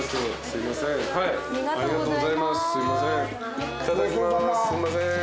すいません。